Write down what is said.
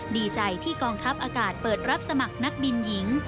ดีใจที่กองทัพอากาศเปิดรับสมัครนักบินหญิง